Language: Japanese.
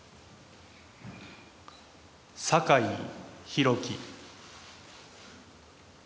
酒井宏樹。